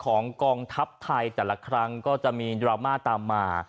กองทัพไทยแต่ละครั้งก็จะมีดราม่าตามมา